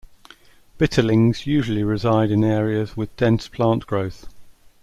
Bitterlings usually reside in areas with dense plant growth.